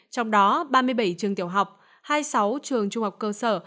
trong đó ba mươi bảy trường tiểu học hai mươi sáu trường trung học cơ sở